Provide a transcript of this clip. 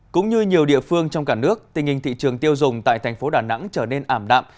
cũng như nhiều địa phương trong cả nước tình hình thị trường tiêu dùng tại thành phố đà nẵng trở nên ảm đạm